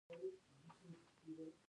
د کونړ په چپه دره کې د څه شي نښې دي؟